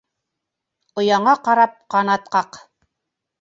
Ояңа ҡарап ҡанат ҡаҡ.